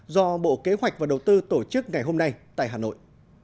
do bộ kế hoạch và đầu tư tổ chức ngày hôm nay tại hà nội